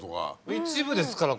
一部ですからこれ。